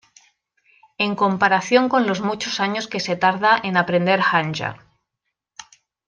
En comparación con los muchos años que se tarda en aprender Hanja.